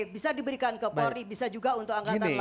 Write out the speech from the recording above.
bisa diberikan ke polri bisa juga untuk angkatan laut